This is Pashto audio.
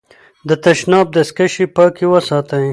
د تشناب دستکشې پاکې وساتئ.